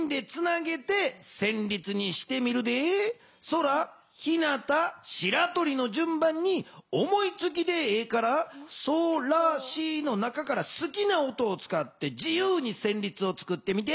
そらひなたしらとりの順番に思いつきでええから「ソラシ」の中からすきな音を使って自ゆうにせんりつをつくってみて。